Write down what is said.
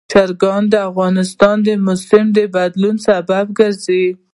چرګان د افغانستان د موسم د بدلون سبب کېږي.